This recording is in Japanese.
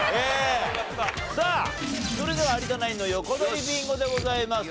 さあそれでは有田ナインの横取りビンゴでございます。